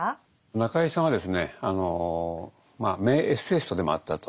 中井さんはですねまあ名エッセイストでもあったと。